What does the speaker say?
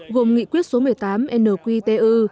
gồm nghị quyết số một mươi tám nqtu